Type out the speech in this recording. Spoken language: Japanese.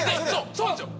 そうなんですよ！